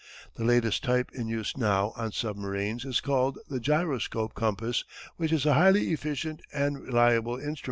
The latest type in use now on submarines is called the gyroscope compass which is a highly efficient and reliable instrument.